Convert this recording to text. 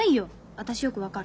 私よく分かる。